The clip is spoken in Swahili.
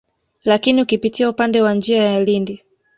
Lakini ukipitia upande wa njia ya Lindi